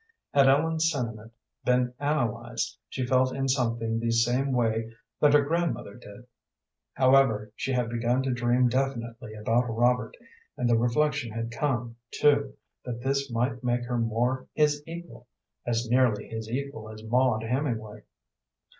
Had Ellen's sentiment been analyzed, she felt in something the same way that her grandmother did. However, she had begun to dream definitely about Robert, and the reflection had come, too, that this might make her more his equal, as nearly his equal as Maud Hemingway.